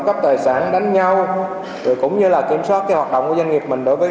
cấp tài sản đánh nhau rồi cũng như là kiểm soát cái hoạt động của doanh nghiệp mình đối với